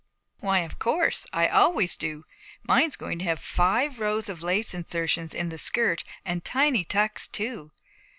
'Why, of course. I always do. Mine's going to have five rows of lace insertion in the skirt and tiny tucks too.'